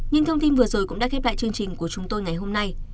những thông tin vừa rồi cũng đã khép lại chương trình của chúng tôi ngày hôm nay